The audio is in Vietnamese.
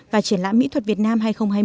và triển lãm mỹ thuật việt nam hai nghìn hai mươi